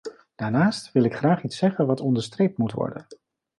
Daarnaast wil ik graag iets zeggen wat onderstreept moet worden.